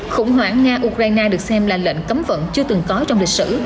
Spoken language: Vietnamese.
khủng hoảng nga ukraine được xem là lệnh cấm vận chưa từng có trong lịch sử